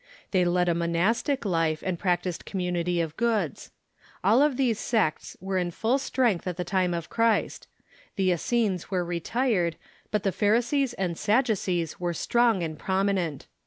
They led a mo nastic life, and practised community of goods. All of these sects were in full strength at the time of Christ. The Essenes were retired, but the Pharisees and Sadducees were strong and prominent.